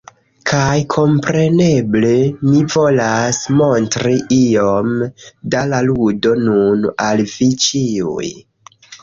Kaj kompreneble, mi volas montri iom da la ludo nun al vi ĉiuj.